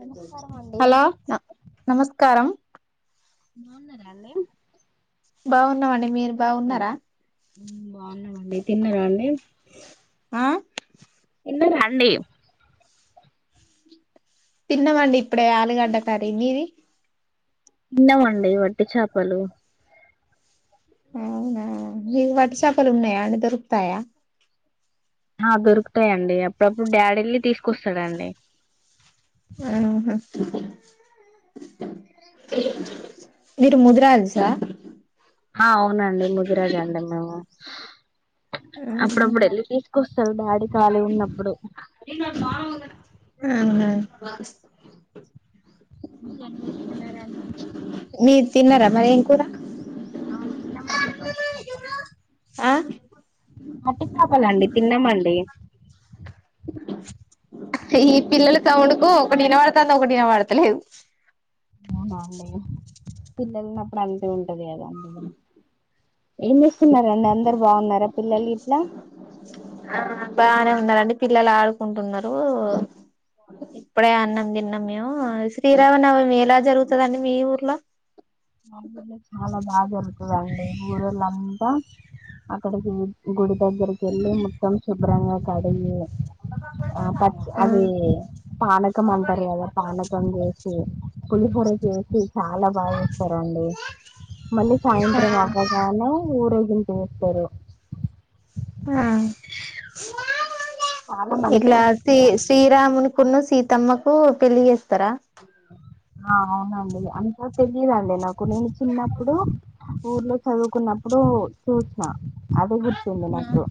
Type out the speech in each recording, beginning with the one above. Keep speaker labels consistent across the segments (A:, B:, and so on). A: నమస్కారం అండి
B: హలో న నమస్కారం
A: బాగున్నరాండీ
B: బాగున్నామండి మీరు బాగున్నారా
A: మ్మ్ బాగున్నామండి తిన్నార అండి
B: ఆ
A: తిన్నరాండి
B: తిన్నమండి ఇప్పుడే ఆలుగడ్డ కర్రీ మీది
A: తిన్నామండి వట్టి చాపలు
B: అవునా మీ వట్టి చేపలు ఉన్నాయా అండి దొరుకుతాయా
A: ఆ దొరుకుతాయండి అప్పుడప్పుడు డాడీళ్ల్ తీసుకొస్తాడండి
B: ఆ మీరు ముదరా అల్సా
A: ఆ అవునండి ముగిరాజ అండి మేము అప్పుడప్పుడు
B: ఆహా
A: వెళ్ళి తీసుకొస్తారు దాడి కాలి ఉన్నప్పుడు
B: అవున
A: ఇంక ఏం చేస్తున్నారాండి
B: మీరు తిన్నారా మరి ఏం కూర
A: ఆ తిన్నామండి మట్టి చాపలు
B: ఆ
A: మట్టి చేపలండి తిన్నామండి
B: ఈ పిల్లలు సౌండుకు ఒకటిన పడత అంత ఒకటిన పడతలేదు
A: అవునండి పిల్లలున్నప్పుడు అంతే ఉంటు టది కద అందుకని ఏం చేస్తున్నారండి అందరు బాగున్నారా పిల్లలు ఇంట్ల
B: ఆ బానే ఉన్నారండి పిల్లలు ఆడుకుంటున్నారు ఇప్పుడే అన్నం తిన్నాం మేము శ్రీరామ నవమి ఎలా జరుగుతుదండి మీ ఊర్లో
A: మా ఊర్లో చాలా బాగా జరుగుత తండి ఊరోళ్ళంత అక్కడికి గుడి దగ్గర కి వెళ్ళి మొత్తం [unintelligible] బ్రాంగా కడి ఆ పచ్చి అది పానకం అంటారు కదా పానకం చేసి పులిహర చేసి చాలా బాగాంది సరండి మళ్ళీ
B: ఆ
A: సాయంత్రం అవగానే ఊరే అస్తస్తార
B: ఆ
A: చాలా మంచిగా
B: ఇట్లా శ
A: అనిపిస్తదండి
B: శ్రీరాముని పన్న సీత తమకు పెళ్ళి చేస్తారా
A: ఆ అవునండి అంతకా తెలియదుండి నాకు నేను చిన్నప్పుడు ఊర్లో చదువుకున్నప్పుడు చూసిన అది వంది నాకు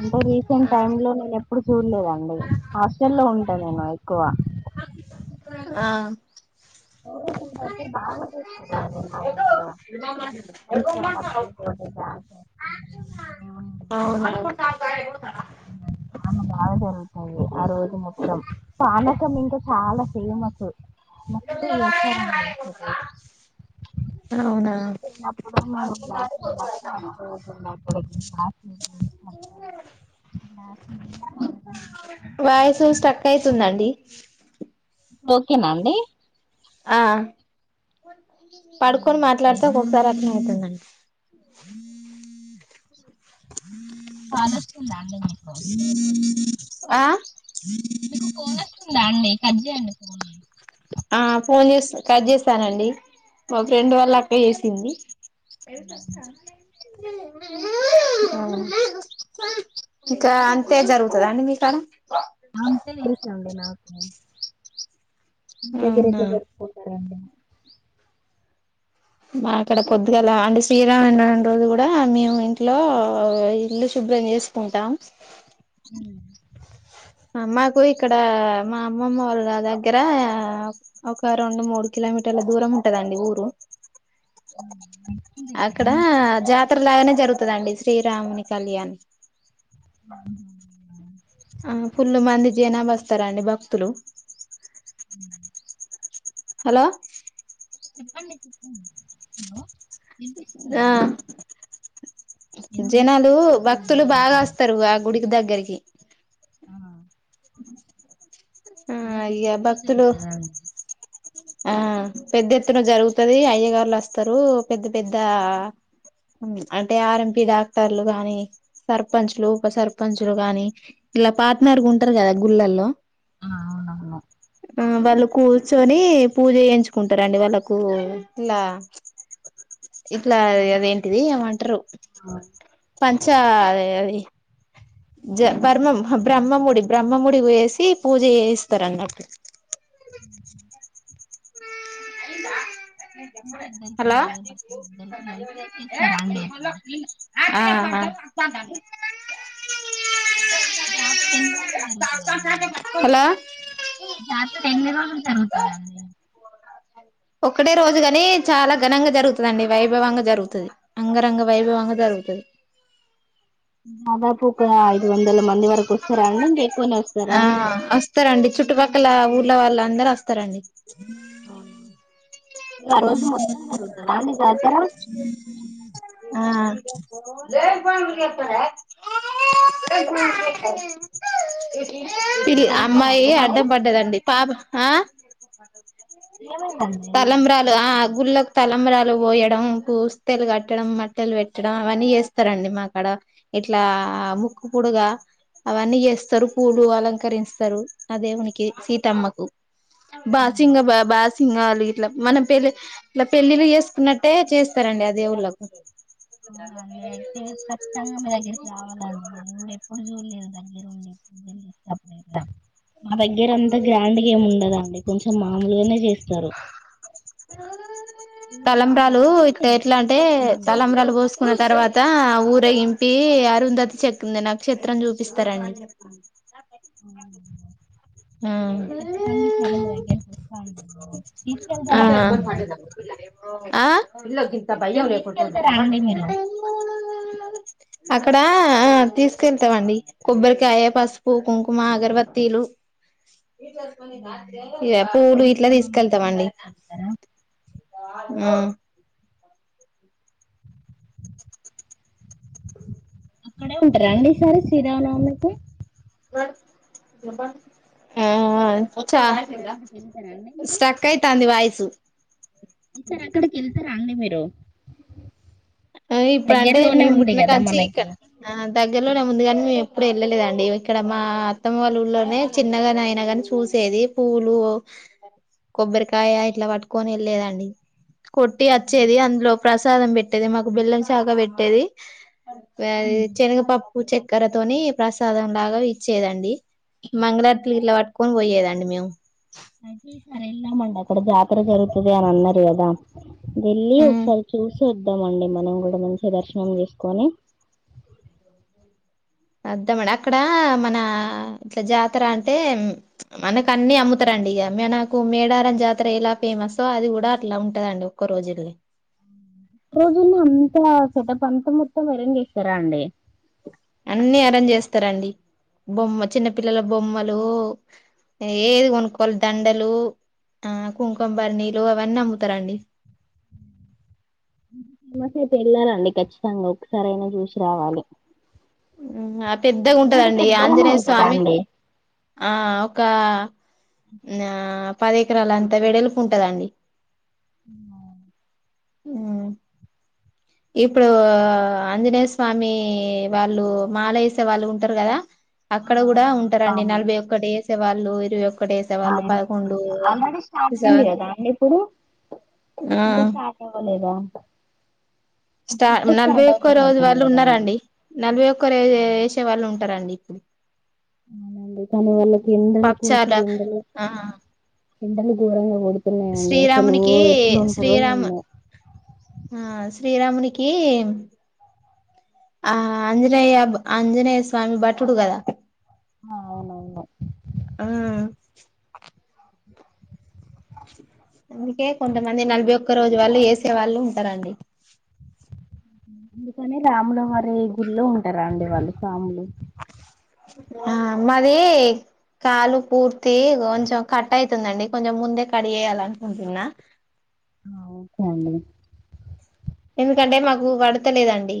A: అంటే రీసెంట్ టైమ్ లో నేను ఎప్పుడు చూడలేదండి హాస్ట లో ఉంటా నేను ఎక్కువ
B: ఆహ్
A: [unintelligible] బాగా చూసుకున్న నేను తోటి డాన్స్ దేవుని
B: అవున
A: చాన్న బాగా జరుగుతాది. ఆ రోజు మొత్తం పానకం ఇంకా చాలా ఫేమస్ అవునా వేసారండి
B: అవునా
A: చిన్నప్పుడు గ్లాస్లూ గ్లాస్లూ
B: వాయిసు స్ట్రక్ అయితుందండి
A: ఓకే నా అండి
B: ఆహ్
A: ఉమ్,
B: పడుకొనీ
A: అలా
B: మాట్లాడితే అదోక్ సారి అ తుందండ్
A: కాలోస్తుందండి మీకు
B: ఆహ్
A: మీకు ఫోన్ వస్తుందా అండి. కర్జేయంండి ఫోన్నీ
B: ఆ ఫోన్ చేసి కట్ చేస్తానండి. మా ఫ్రెండ్ వాళ్ళ అక్క చేసింది. తెలుసా చానల్లేంది ఉహ్ ఇక అంతే జరుగుతదండి మీకాడ
A: అంతే తెలుసండి నాకు మీ దగ్గర
B: అవునా
A: ఎట్లా జరుపుకుంటారండి.
B: మా అక్కడ పొద్దుగల. అంటే శ్రీరామ రోజు కూడా మేము ఇంట్లో ఇల్లు శుభ్రం చేసుకుంటాం.
A: ఉహ్మ్
B: మాకు ఇక్కడ మా అమ్మమ్మ వాళ్ళ దగ్గర. ఒక రెండు మూడు కిలోమీటర్ల దూరం ఉంటదండి. ఊరు
A: జరుపుకుంటారా
B: అక్కడ
A: నాకు
B: జాతర లాగానే జరుగు దాండి శ్రీరాముని కళ్యాణ్
A: ఉహ్ హు అవున
B: ఆ ఫుల్లు మంది జనాభ వస్తారండి. భక్తులు హలో
A: ఉహ్ హలో వినిపిస్తుందా అండి
B: ఆహ్
A: ఏదో
B: జనాలు,
A: డిస్టర్బెన్స్ వస్తుంది
B: భక్తులు
A: మీ
B: బాగా
A: దగ్గర
B: వస్తారు. ఆ గుడికి దగ్గరిక్ గి
A: ఆ,
B: ఆ
A: చాలా
B: ఇగ
A: సెంటి [unintelligible]
B: భక్తులు
A: జరుగుతదండి
B: ఆ పెద్ద ఎత్తున జరుగుతది. అయ్య గారులు వస్తారు పెద్ద పెద్ద అంటే ఆర్. ఎం. పి డాక్టర్లు గాని, సర్పంచ్లు, ఉప సర్పంచ్లు కాని. ఇలా పార్ట్నర్ కుంట్ గుల్లాలో
A: ఆహ్ అవునవును.
B: ఆ వాళ్ళు కూర్చొని పూజ చేయించుకుంటారంండి. వాళ్ళకు ఇట్లా ఇట్లా అదేంటిది ఏమంటారు
A: ఆ,
B: ప సరే అది జ బ్రహమ బ్రహ్మముడి బ్రహ్మముడి వేసి పూజ చేయిస్తారు అన్నట్టు
A: అ
B: అయినా
A: అంటే ఇద్దరికి
B: హలో
A: భార్య భర్తలు ఇద్దరికి కలిపి చేస్తారా అండి అట్లా
B: ఆహా
A: జాతర ఎన్ని రోజులు జరుగుతుందండి
B: హలో
A: జాతర ఎన్ని రోజులు జరుగుతుందండి
B: ఒకటే రోజుగాని చాలా ఘనంగా జరుగుతుందండి వైభవంగా జరుగుతుంది అంగరంగ వైభవంగా జరుగుతుది
A: దాదాపు ఒక ఐదు వందల మంది వరకు వస్తారా అండి ఇంకెక్కువనే
B: ఆ
A: వస్తారా
B: ఇట్ల వాళ్ళ అందరుూ వస్తారండి
A: అ ఆ రోజు మొత్తం జరుగుత అండి జాతార
B: ఆ ఇది
A: మీరు వెళ్తారా
B: అమ్మాయి
A: అండి మరి
B: అడ్డం పడ్డదండి పాప ఆ
A: ఏమైందండి
B: తలంబ్రాలు ఆ గుళ్ళకి తలంబ్రాలు పోయడం పుస్తెలు కట్టడం మట్టెలు పెట్టడం అవన్నీ చేస్తారండి మాకాడ ఇట్లా ముక్కు పొడుగ అవన్నీ చేస్తరు పూలు అలంకరిస్తారు అదేవునికి సీతమ్మకు
A: హ్మ్.
B: బాసింగ బా బాస్ సింగాలు ఇట్లా మనం పెళ్ళి ఇలా పెళ్ళిళ్ళ చేసుకున్నట్టే చేస్తారండి ఆ దేవుళ్ళలకు
A: అవునండి అయితే ఖచ్చితంగా మీ దగ్గరికి రావాలండిళ ఎప్పుడు చూడలేదు దగ్గర ఉండి అప్పుడ మా దగ్గర అంత గ్రాండ్ గేమ్ ఉండదండి అడి కొంచెం మామలుగానే చేస్తరు
B: అ తలంబ్రలు ఇ ఎట్లా అంటే
A: హ్మ్.
B: తలంబరాలు పోసుకున్న తర్వాత ఊరేగింపి అరుంధతి చెక్కింది నక్షత్రం చూపిస్తరండి
A: అ అయితే ఖచ్చితంగా సరే మీ దగ్గర వస్తా ఉన్నా తీసుకెళ్తా
B: ఆ
A: రాండి ను
B: ఆ పిల్లకింత భయం లేకుంటుండు వా
A: అండి మీరు?
B: అక్కడ తీసుకెళ్తామండి కొబ్బరికాయ పసుపు కుంకుమ అగరబత్తీలు అ ఇగ పూలు
A: పూజ
B: ఇట్ల
A: సామాను మొత్తం
B: తీసుకెళ్తమండి
A: తీసుకెళ్తారా?
B: హుమ్
A: అక్కడే వుంటరండి ఈసారి శ్రీరామనవమికి
B: ఆ అ చా
A: ఈసారి అక్కడికెళ్తారా
B: స్టక్ అయితాంది వాయిస్
A: ఈ సారి అక్కడికెళ్తర అండి మీరు ఆ
B: ఆ ఇప్పుడు అంటే మేము పుట్టిన కాంచి ఇక్క
A: మనకి.
B: దగ్గర ఊర్లోనే ఉందిగాని మేము ఎప్పుడు వెళ్ళలేదండి ఇక్కడ మా అత్తమ్మ వాళ్ళ ఊలోనే చిన్నగా అయినా కాని చూసేది పూలు కొబ్బరికాయ ఇట్లా పట్టుకొని ఎళ్ళలేదండి కొట్టి అచ్చేది అందులో ప్రసాదం పెట్టేది మా బెల్లం సావిగ బెట్టేది అది
A: హ్మ్.
B: చెనుగ పప్ చక్కెరతోని ప్రసాదం లాగా ఇచ్చేదండి మంగళార్తులు ఇలా పట్టుకొని పోయేదండి మేము
A: అక్కడ జాతర జరుగుతది అని అన్నారు కదా వెళ్ళి
B: ఉమ్
A: ఒకసారి చూసి వద్దామండి మనం కూడా మంచి దర్శనం చేసుకొని
B: మండి అక్కడా మనా ఇట్లా జాతర అంటే ప్చ్ మనక అన్ని అమ్ముతారండి ఇక మేడ మేడారం జాతర ఎలా ఫేమసో అది కూడా అట్లా ఉంటదండి ఒక్క రోజుని
A: రోజునే అంతా సెటప్ అంత మొత్తం అరేంజ్ చేేస్తారా అండి
B: అన్ని అరేంజ్ చేస్తారండి బొమ్మ చిన్న పిల్లల బొమ్మలు ఏది కొనుక్కోవాలి దండలు ఆ కుంకుమబరినీలు అవన్నీ అమ్ముతారండి
A: ఫేమస్ అయితే ఎళ్ళాలండి ఖచ్చితంగా ఒకసారి అయినా చూసి రావాలి
B: ఆ పెద్దగా
A: గుడి
B: ఉంటదండి ఇగ
A: పెద్దగానే
B: ఆంజనేయ
A: ఉంటదా
B: స్వామి
A: అండి
B: ఆ ఒకా ఆ పదెకరాలు అంతా వెడల్పు ఉంటదండి
A: అవునా
B: హుమ్ ఇప్పుడూ ఆంజనేయ స్వామి వాళ్ళు మాలేసే వాళ్ళు ఉంటారు గదా
A: ఆ,
B: అక్కడ కూడా
A: అవును
B: ఉంటారండి
A: స్వాములు
B: నలభై ఒక్క డేస్ వాళ్ళు ఇరవై ఒక్కటి వేసేవాళ్ళు పదకొండు
A: ఆల్రెడీ స్టార్ట్ అయింది
B: సార్
A: కదా అండి ఇప్పుడు
B: ఆ
A: ఇంకా స్టార్ట్ అవ్వలేదా
B: స్టా
A: ఇప్పుడే
B: నలభై
A: స్టార్ట్
B: ఒక్క రోజు
A: అవుతున్నట్టుంది
B: వాళ్ళు
A: కదా అండి
B: ఉన్నారండి నలభై ఒక్క రోజు చేసే వాళ్ళు ఉంటారండి ఇప్పుడు
A: అవునండి కాని వాళ్ళకి ఎండలు కోసం
B: పప్చాల
A: ఉండ ఎండలు గోరంగ గొడు
B: శ్రీరామునికీ శ్రీరాము
A: ఏమో
B: ఆ శ్రీరామునికీ ఆ ఆంజనేయ ఆంజనేయ స్వామి భటుడు కదా
A: అవునవును
B: ఉమ్.. అందుకే కొంతమంది నలభై ఒక్క రోజు వాళ్ళు వేసే వాళ్ళు ఉంటారంండి
A: అందుకని రాములు వారి గుళ్ళో ఉంటారా అండి వాళ్ళు స్వాములు
B: ఆ మాదీ కాలు పూర్తి కొంచెం కట్ అయితుందండి కొంచెం ముందే కట్ చేయాల నుకుంటున్నా
A: కే అండి [unintelligible]
B: ఎందుకంటే మాకు కడతలేదండి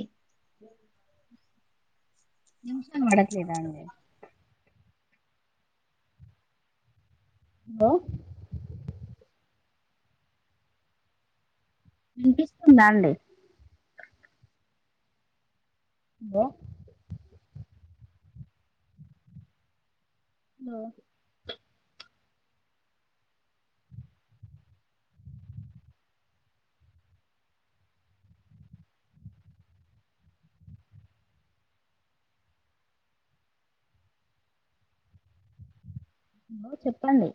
A: నిమ్సా మక్లేద అంే [unintelligible] హలో వినిపిస్తుందా అండి హలో హలో చెప్పండి